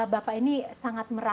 bapak ini sangat berharga